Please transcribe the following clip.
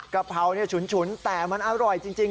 กะเพราฉุนแต่มันอร่อยจริง